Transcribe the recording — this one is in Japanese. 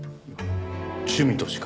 趣味としか。